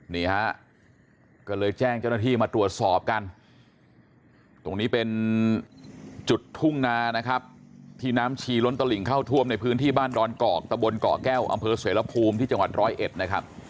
นี่ฮะก็เลยแจ้งเจ้าหน้าที่มาตรวจสอบกันตรงนี้เป็นจุดทุ่งนานะครับที่น้ำชีล้นตลิ่งเข้าท่วมในพื้นที่บ้านดอนกอกตะบนเกาะแก้วอำเภอเสรภูมิที่จังหวัดร้อยเอ็ดนะครับ